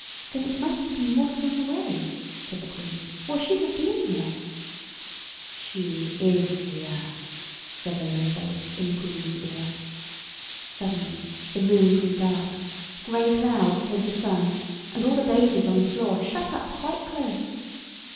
"Then it must have been lost on the way," said the Queen, "or she'd have been here——" "She is here," said a low voice in the Queen's ear. Suddenly the room grew dark, grey clouds hid the sun, and all the daisies on the floor shut up quite close.